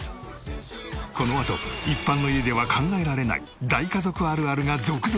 このあと一般の家では考えられない大家族あるあるが続々！